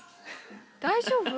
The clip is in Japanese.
大丈夫？